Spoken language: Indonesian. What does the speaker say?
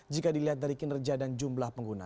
jika dilihat dari kinerja dan jumlah pengguna